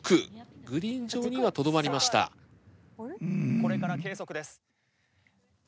これから計測です。